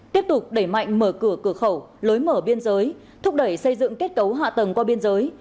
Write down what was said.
tiếp tục đẩy mạnh mở cửa cửa khẩu lối mở biên giới thúc đẩy xây dựng kết cấu hạ tầng qua biên giới